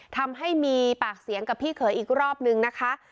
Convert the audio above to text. ทำให้มีปากเสียงกับพี่เขยอีกรอบนึงนะคะ